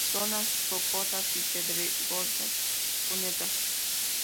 Zonas rocosas y pedregosas, cunetas.